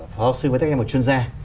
phó giáo sư với các em là một chuyên gia